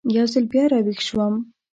یو ځل بیا را ویښ شوم.